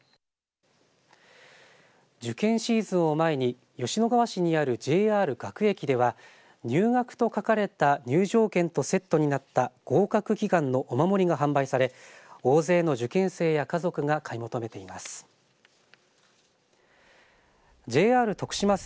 受験シーズンを前に吉野川市にあるＪＲ学駅では入学と書かれた入場券とセットになった合格祈願のお守りが販売され大勢の受験生や家族が買い求めています。